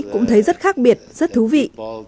cũng thấy rất khác biệt rất thú vị